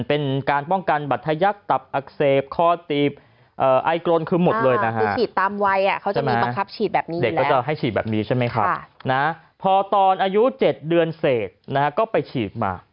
พอตอนอายุ๗เดือนเศษนะฮะก็ไปฉีดมา